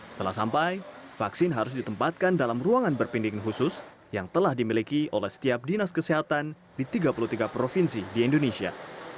setelah sampai vaksin harus ditempatkan dalam ruangan berpinding khusus yang telah dimiliki oleh setiap dinas kesehatan di tiga puluh tiga provinsi di indonesia